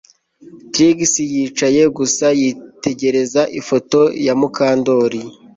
Trix yicaye gusa yitegereza ifoto ya Mukandoli